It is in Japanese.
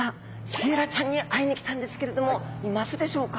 シイラちゃんに会いに来たんですけれどもいますでしょうか？